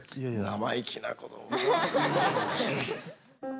生意気な子どもだなぁ。